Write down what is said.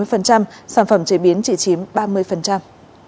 sản phẩm chế biến chỉ chiếm ba mươi